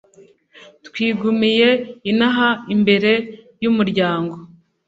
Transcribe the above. twigumiye inaha imbere y’umuryango